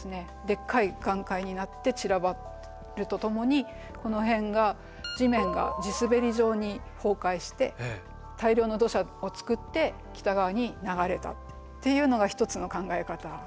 でっかい岩塊になって散らばるとともにこの辺が地面が地滑り状に崩壊して大量の土砂をつくって北側に流れたっていうのが一つの考え方。